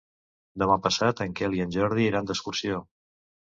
Demà passat en Quel i en Jordi iran d'excursió.